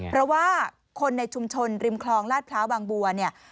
เพราะว่าคนในชุมชนริมคลองลาดพร้าวบางบัวเนี่ย